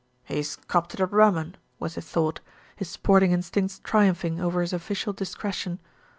"He's copped it a rum un," was his thought, his sporting instincts triumphing over his official discretion.